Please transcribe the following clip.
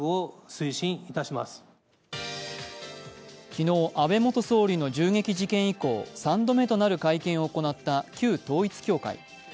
昨日、安倍元総理の銃撃事件以降３度目となる会見を行った旧統一教会。